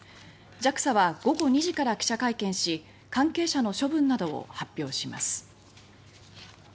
ＪＡＸＡは午後２時から記者会見し関係者の処分などを発表します。